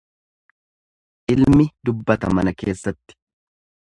Ilmi dubbata mana keessatti.